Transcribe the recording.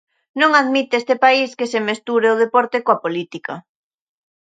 Non admite este pais que se mesture o deporte coa política.